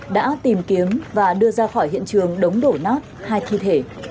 đã tìm kiếm và đưa ra khỏi hiện trường đống đổ nát hai thi thể